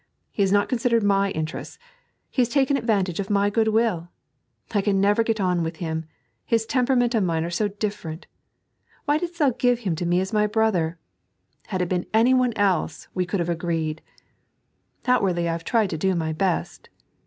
He has not considered my interests. He has taken advantage of my goodwill. I never can get on with bim ; his tempera ment and mine are so different. Why didst Thou give him to me as my brother 1 Had it been anyone else, we could have agreed. Outwardly I have tried to do my best.